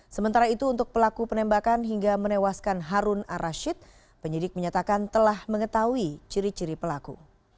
sementara itu untuk pelaku penembakan hingga menewaskan harun arashid penyidik menyatakan telah mengetahui ciri ciri pelaku